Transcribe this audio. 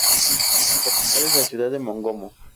Su capital es la ciudad de Mongomo.